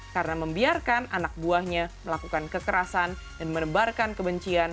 karena membiarkan anak buahnya melakukan kekerasan dan menebarkan kebencian